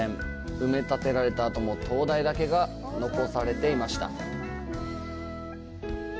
埋め立てられたあとも灯台だけが残されていました。